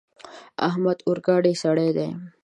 احمد اورګډی سړی دی.